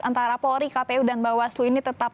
antara polri kpu dan bawaslu ini tetap